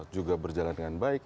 juga berjalan dengan baik